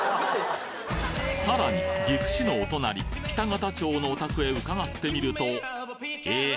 さらに岐阜市のお隣北方町のお宅へ伺ってみるとえ？